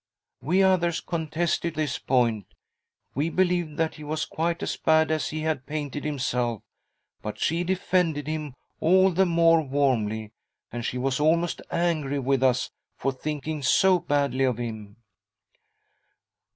" We others contested this point— we believed that he was quite as bad as he had painted himself — but she defended him all the more warmly, and she :•:"~ A CALL FROM THE PAST 93 was almost angry with us for thinking so badly of him."